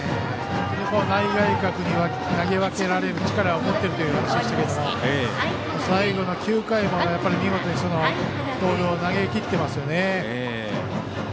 内外角に投げ分けられる力を持っているという話でしたけど最後の９回も見事にそのボールを投げきっていますね。